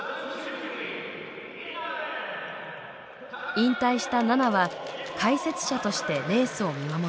引退した菜那は解説者としてレースを見守っていた。